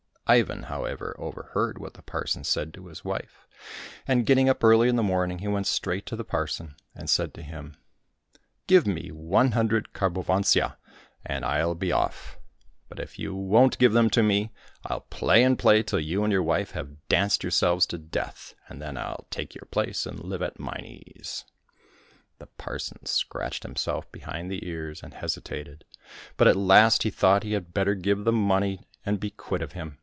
" Ivan, however, overheard what the parson said to his wife, and getting up early in the morning, he went straight to the parson, and said to him, " Give me one hundred karhovantsya^ and I'll be off ; but if you won't give them to me, I'll play and play till you and your wife have danced yourselves to death, and then I'll take your place and live at mine ease." The parson scratched himself behind the ears and hesitated ; but at last he thought he had better give the money and be quit of him.